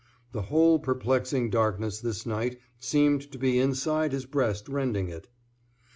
The whole perplexing darkness this night seemed to be inside his breast rending it.